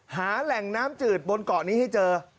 หาแหล่งน้ำจืดบนเกาะนี้ให้เจอ